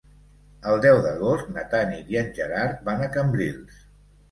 El deu d'agost na Tanit i en Gerard van a Cambrils.